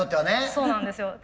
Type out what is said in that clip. そうなんですよ。